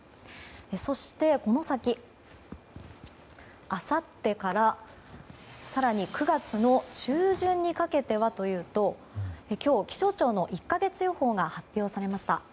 そして、この先あさってから更に９月の中旬にかけてはというと今日、気象庁の１か月予報が発表されました。